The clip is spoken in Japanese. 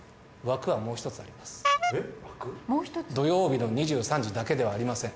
土曜日の２３時だけではありません。